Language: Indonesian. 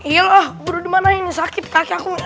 iya lah buru dimana ini sakit kaki aku